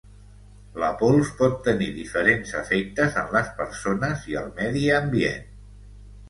La pols pot tenir diferents efectes en les persones i el medi ambient.